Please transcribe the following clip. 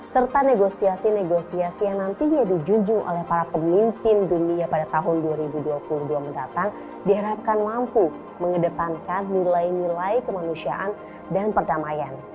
serta negosiasi negosiasi yang nantinya dijunjung oleh para pemimpin dunia pada tahun dua ribu dua puluh dua mendatang diharapkan mampu mengedepankan nilai nilai kemanusiaan dan perdamaian